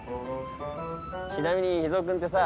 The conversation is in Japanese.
ちなみに脾ぞう君ってさ。